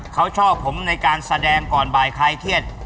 เขาชอบผมในการแสดงก่อนบ่ายคลายเครียด